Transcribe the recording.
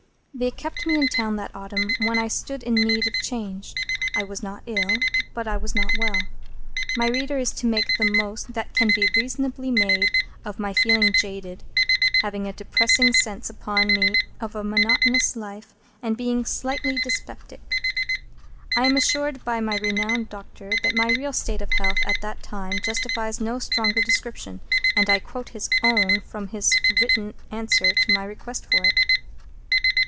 They kept me in town that autumn, when I stood in need of change. I was not ill, but I was not well. My reader is to make the most that can be reasonably made of my feeling jaded, having a depressing sense upon me of a monotonous life, and being "slightly dyspeptic." I am assured by my renowned doctor that my real state of health at that time justifies no stronger description, and I quote his own from his written answer to my request for it.